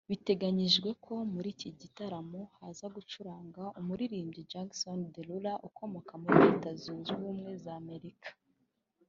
Biteganyijwe ko muri iki gitaramo haza gucuranga umuririmbyi Jason Derulo ukomoka muri Retza Zunze ubumwe za Amerika